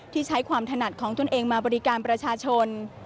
ใช้ความถนัดของตนเองมาบริการประชาชน